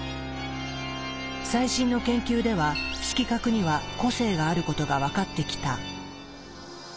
最新の研究では色覚には個性があることが分かってきた。